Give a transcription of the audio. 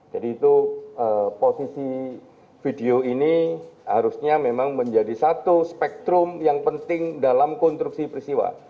jadi itu posisi video ini harusnya memang menjadi satu spektrum yang penting dalam konstruksi peristiwa